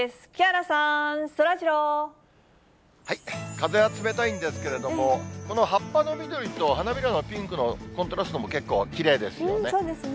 風は冷たいんですけども、この葉っぱの緑と花びらのピンクのコントラストも結構きれいですそうですね。